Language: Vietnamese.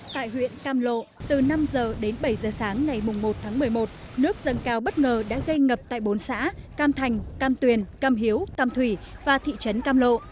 tại huyện cam lộ từ năm h đến bảy giờ sáng ngày một tháng một mươi một nước dâng cao bất ngờ đã gây ngập tại bốn xã cam thành cam tuyền cam hiếu cam thủy và thị trấn cam lộ